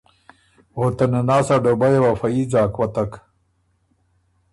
او ته نناس ا ډوبیه وه فه يي ځاک وتک